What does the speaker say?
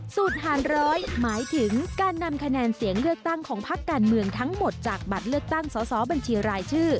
หารร้อยหมายถึงการนำคะแนนเสียงเลือกตั้งของพักการเมืองทั้งหมดจากบัตรเลือกตั้งสอสอบัญชีรายชื่อ